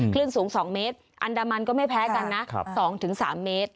คลื่นสูง๒เมตรอันดามันก็ไม่แพ้กันนะ๒๓เมตร